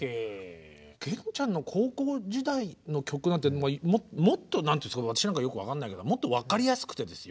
源ちゃんの高校時代の曲なんて私なんかよく分かんないけどもっと分かりやすくてですよ